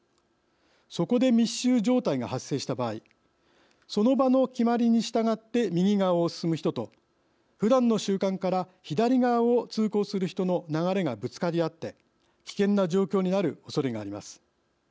そこで密集状態が発生した場合その場の決まりに従って右側を進む人と普段の習慣から左側を通行する人の流れがぶつかり合って危険な状況になる恐れがあります。